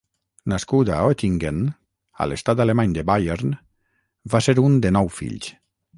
Nascut a Oettingen, a l'estat alemany de Bayern, va ser un de nou fills.